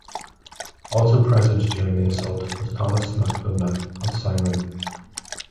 Also present during the assault was Thomas Macdonough of "Syren".